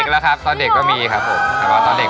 ใช่ครับมันล้างขึ้นมาได้ยังไงเขาเป็นลูก